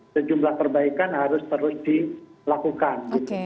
sejumlah perbaikan harus terus dilakukan